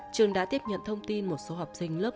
trường đã tiếp nhận thông tin một số học sinh lớp một mươi một